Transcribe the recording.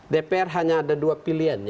dpr hanya ada dua pilihan